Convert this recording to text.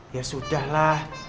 ya sudah lah